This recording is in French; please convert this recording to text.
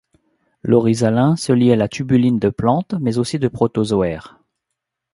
L'oryzalin se lie à la tubuline de plantes, mais aussi de protozoaires.